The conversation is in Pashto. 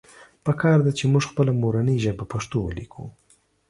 پکار ده چې مونږ خپله مورنۍ ژبه پښتو وليکو